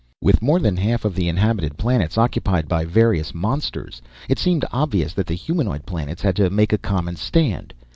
With more than half of the inhabited planets occupied by various monsters, it seemed obvious that the humanoid planets had to make a common stand.